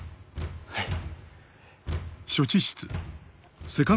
はい。